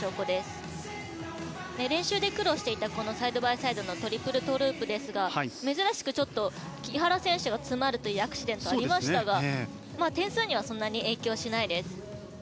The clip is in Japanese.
そして、練習で苦労していたサイドバイサイドのトリプルトウループですが珍しくちょっと木原選手が詰まるというアクシデントはありましたが点数にはそんなに影響しないです。